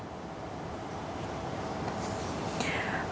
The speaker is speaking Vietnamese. không gian đi bộ